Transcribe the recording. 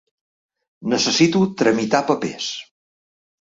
Necessito tramitar papers.